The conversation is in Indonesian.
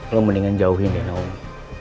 lo mendingan jauhin deh naomi